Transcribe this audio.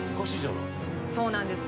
そうなんです。